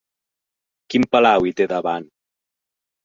Quin palau hi té davant?